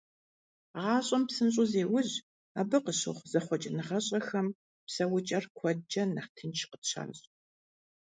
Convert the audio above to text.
ГъащӀэм псынщӀэу зеужь, абы къыщыхъу зэхъуэкӀыныгъэщӀэхэм псэукӀэр куэдкӀэ нэхъ тынш къытщащӀ.